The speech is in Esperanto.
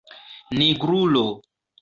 nigrulo